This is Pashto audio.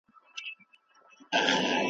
د بيلتون ډولونه له بل سره څه توپير لري؟